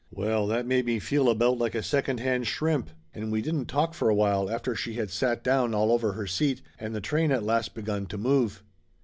Well, that made me feel about like a second hand shrimp, and we didn't talk for a while after she had sat down all over her seat, and the train at last begun to move.